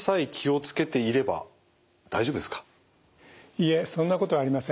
いいえそんなことはありません。